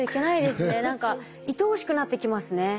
何かいとおしくなってきますね。